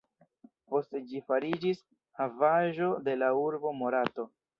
Poste ĝi fariĝis havaĵo de la urbo Morato.